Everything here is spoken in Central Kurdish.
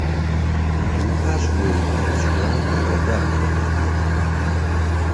لە ئاش زۆری پێچووە، لە ڕێگا پەلە پەلیەتی